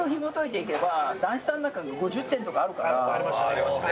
ありましたね